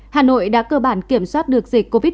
hà nội đã cơ bản kiểm soát được dịch covid một mươi chín